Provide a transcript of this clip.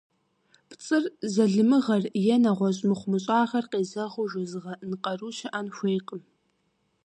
ПцӀыр, залымыгъэр е нэгъуэщӀ мыхъумыщӀагъэр къезэгъыу жозыгъэӀэн къару щыӀэн хуейкъым.